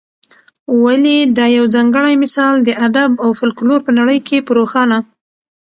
ولي دا یوځانګړی مثال د ادب او فلکلور په نړۍ کي په روښانه